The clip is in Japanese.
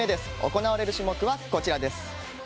行われる種目はこちらです。